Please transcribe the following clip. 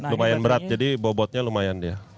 lumayan berat jadi bobotnya lumayan ya